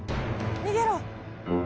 逃げろ！